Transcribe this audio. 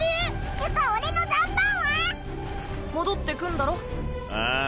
つか俺の残飯は⁉戻ってくんだろ？ああ。